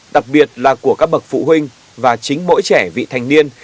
đặc biệt là của các bậc phụ huynh và chính mỗi trẻ vị thành niên